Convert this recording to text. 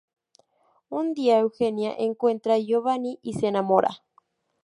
Un día Eugenia encuentra a Giovanni y se enamora.